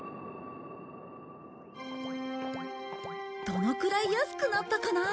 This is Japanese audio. どのくらい安くなったかな？